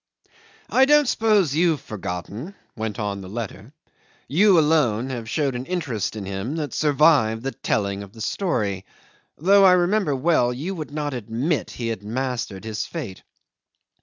'... I don't suppose you've forgotten,' went on the letter. 'You alone have showed an interest in him that survived the telling of his story, though I remember well you would not admit he had mastered his fate.